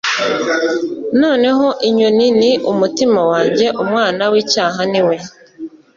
Noneho inyoni ni umutima wanjye umwana wicyaha niwe